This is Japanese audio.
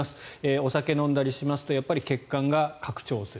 お酒飲んだりしますと血管が拡張する。